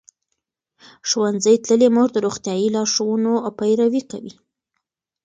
ښوونځې تللې مور د روغتیايي لارښوونو پیروي کوي.